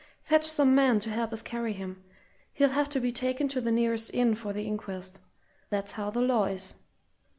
"Fetch some men to help us carry him. He'll have to be taken to the nearest inn for the inquest that's how the law is.